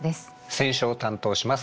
選書を担当します